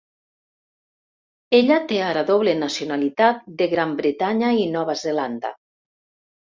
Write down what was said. Ella té ara doble nacionalitat de Gran Bretanya i Nova Zelanda.